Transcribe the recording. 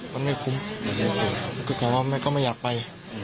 มันไม่คุ้มก็แสดงว่าเขาไม่อยากไป